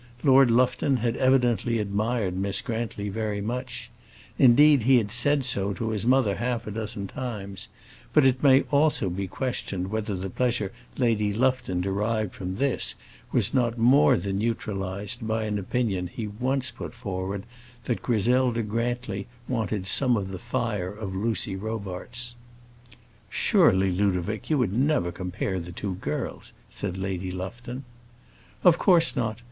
Lord Lufton had evidently admired Miss Grantly very much; indeed, he had said so to his mother half a dozen times; but it may almost be questioned whether the pleasure Lady Lufton derived from this was not more than neutralized by an opinion he once put forward that Griselda Grantly wanted some of the fire of Lucy Robarts. "Surely, Ludovic, you would never compare the two girls," said Lady Lufton. "Of course not.